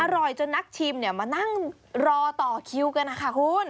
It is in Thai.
อร่อยจนนักชิมมานั่งรอต่อคิวกันนะคะคุณ